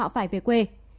phải về quê